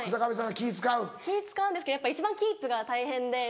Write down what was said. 気使うんですけどやっぱ一番キープが大変で。